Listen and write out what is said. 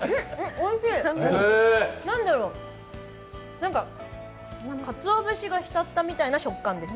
おいしい、何かかつお節が浸ったみたいな食感です。